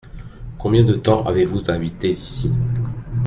Combien de temps avez-vous habité ici ?